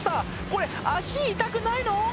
これ足痛くないの？